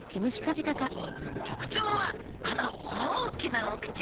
特徴はこの大きなお口。